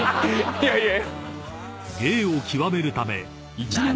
いやいや。